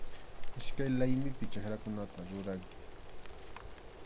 Iskay laymipi chakrakunata ruranki.